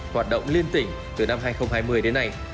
hoạt động liên tỉnh từ năm hai nghìn hai mươi đến nay